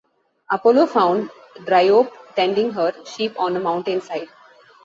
Apollo found Dryope tending her sheep on a mountainside.